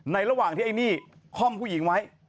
ระหว่างที่ไอ้นี่ค่อมผู้หญิงไว้